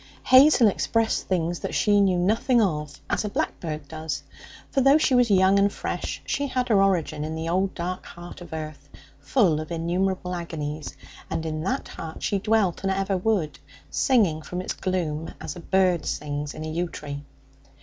Hazel expressed things that she knew nothing of, as a blackbird does. For, though she was young and fresh, she had her origin in the old, dark heart of earth, full of innumerable agonies, and in that heart she dwelt, and ever would, singing from its gloom as a bird sings in a yew tree.